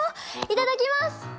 いただきます！